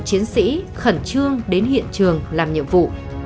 chiến sĩ khẩn trương đến hiện trường làm nhiệm vụ